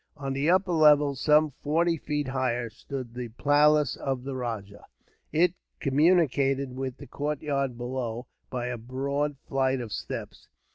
On the upper level, some forty feet higher, stood the palace of the rajah. It communicated with the courtyard, below, by a broad flight of steps.